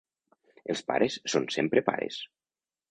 Els pares són sempre pares.